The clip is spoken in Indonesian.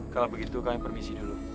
kalau begitu kami permisi dulu